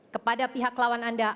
kepada pihak lawan anda